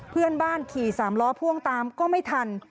เพื่อนบ้านขี่สามล้อพ่วงตามก็ไม่ทัน